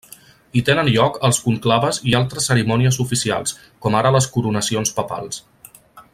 Hi tenen lloc els conclaves i altres cerimònies oficials, com ara les coronacions papals.